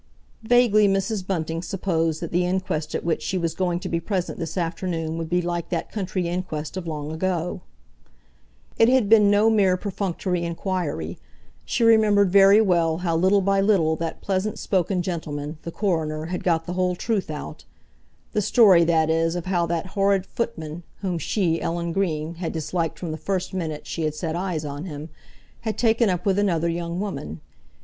Vaguely Mrs. Bunting supposed that the inquest at which she was going to be present this afternoon would be like that country inquest of long ago. It had been no mere perfunctory inquiry; she remembered very well how little by little that pleasant spoken gentleman, the coroner, had got the whole truth out—the story, that is, of how that horrid footman, whom she, Ellen Green, had disliked from the first minute she had set eyes on him, had taken up with another young woman.